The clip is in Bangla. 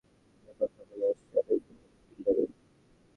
আমি কথা বলে আসছি, অনেক বড় বিল্ডার উনি।